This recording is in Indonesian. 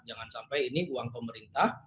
jangan sampai ini uang pemerintah